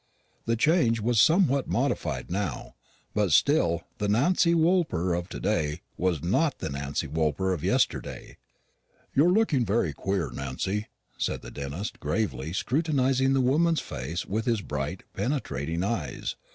The change was somewhat modified now; but still the Nancy Woolper of to day was not the Nancy Woolper of yesterday. "You're looking very queer, Nancy," said the dentist, gravely scrutinising the woman's face with his bright penetrating eyes.